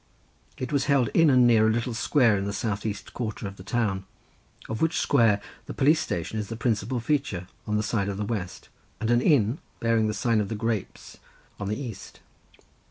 It was held in and near a little square in the south east quarter of the town, of which square the police station is the principal feature on the side of the west, and an inn, bearing the sign of the Grapes, on the east.